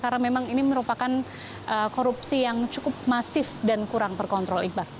karena memang ini merupakan korupsi yang cukup masif dan kurang terkontrol